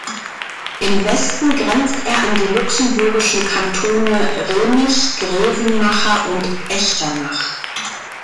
Im Westen grenzt er an die luxemburgischen Kantone Remich, Grevenmacher und Echternach.